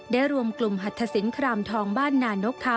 ได้รวมกลุ่มหัดศสินครามทองบ้าน